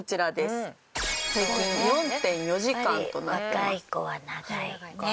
若い子は長いよね。